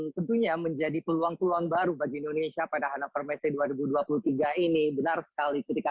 tentunya menjadi peluang peluang baru bagi indonesia pada hannover messe dua ribu dua puluh tiga ini benar sekali ketika